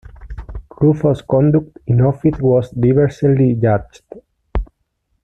Ruffo's conduct in office was diversely judged.